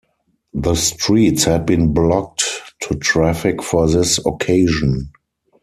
The streets had been blocked to traffic for this occasion.